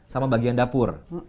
sama bagian dapur